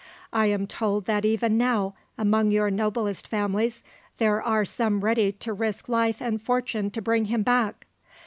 I am told that even now among your noblest families there are some ready to risk life and fortune to bring him back!